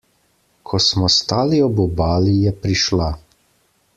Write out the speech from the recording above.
Ko smo stali ob obali, je prišla.